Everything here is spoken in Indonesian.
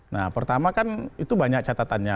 nah pertama kan itu banyak catatannya